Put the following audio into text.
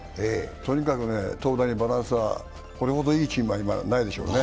とにかく投打にバランスがこれほどいいチームは今はないでしょうね。